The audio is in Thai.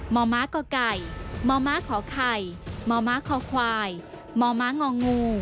มมกกมมคคมมคคมมง